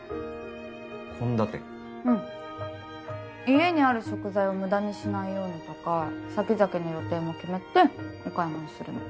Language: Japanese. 家にある食材を無駄にしないようにとか先々の予定も決めてお買い物するの。